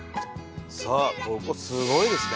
さあここすごいですね。